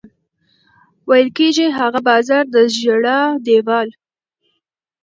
ویل کېږي هغه بازار د ژړا دېوال.